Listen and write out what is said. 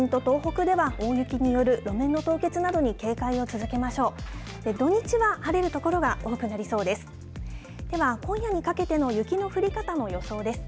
では、今夜にかけての雪の降り方の予想です。